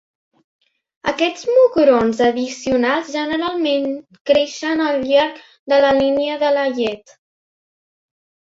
Aquests mugrons addicionals generalment creixen al llarg de la línia de la llet.